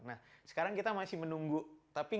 nah sekarang kita masih menunggu tapi menunggunya itu sampai kapan